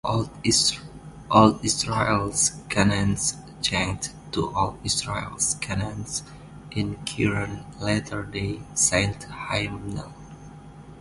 "Old Israel's Cannaan" changed to "All" Israel's Canaan" in current Latter-day Saint hymnal.